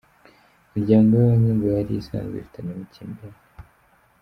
Imiryango yombi ngo yari isanzwe ifitanye amakimbirane.